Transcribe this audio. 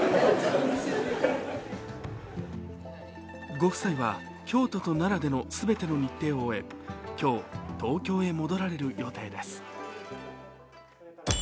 ご夫妻は京都と奈良での全ての日程を終え今日、東京へ戻られる予定です。